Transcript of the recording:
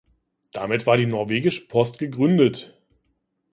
Damit war die norwegische Post gegründet.